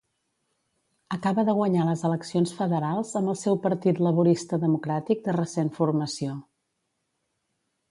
Acaba de guanyar les eleccions federals amb el seu partit Laborista democràtic de recent formació.